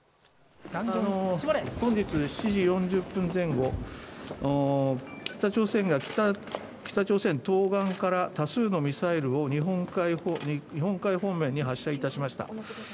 本日７時４０分前後、北朝鮮東岸から多数のミサイルを日本海方面に発射いたしました。